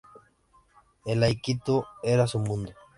El Aikido era su mundo.